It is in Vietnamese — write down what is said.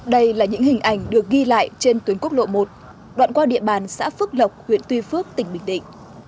đây là những hình ảnh được ghi lại trên tuyến quốc lộ một đoạn qua địa bàn xã phước lộc huyện tuy phước tỉnh bình định